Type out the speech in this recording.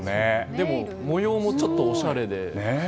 でも模様もちょっとおしゃれで。